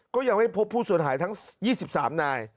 ก็ยังไม่พบผู้สูญหายทั้งยี่สิบสามนาย